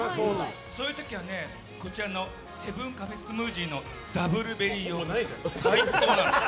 そういう時はこちらのセブンカフェスムージーのダブルベリーヨーグルト最高なの。